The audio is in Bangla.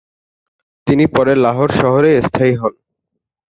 তিনি পরে লাহোর শহরেই স্থায়ী হোন।